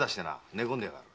寝込んでやがる。